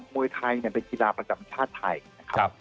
มวยไทยเป็นกีฬาประจำชาติไทยนะครับ